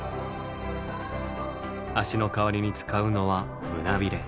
足の代わりに使うのは胸びれ。